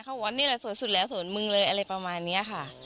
เขาบอกว่านี่แหละสวนสุดแล้วสวนมึงเลยอะไรประมาณนี้ค่ะ